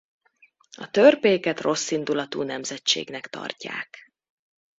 A törpéket rosszindulatú nemzetségnek tartják.